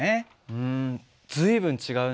うん随分違うね。